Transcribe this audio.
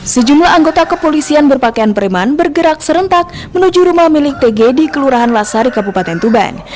sejumlah anggota kepolisian berpakaian preman bergerak serentak menuju rumah milik tg di kelurahan lasari kabupaten tuban